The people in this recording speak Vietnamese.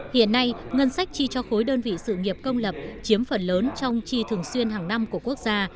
hiện nay ngân sách chi cho khối đơn vị sự nghiệp công lập chiếm phần lớn trong chi thường xuyên hàng năm của quốc gia